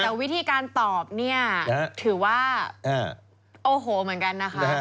แต่วิธีการตอบเนี่ยถือว่าโอ้โหเหมือนกันนะคะ